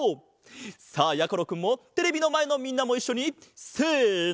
さあやころくんもテレビのまえのみんなもいっしょにせの！